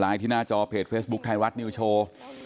ที่หน้าจอเพจเฟซบุ๊คไทยรัฐนิวโชว์